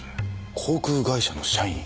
航空会社の社員。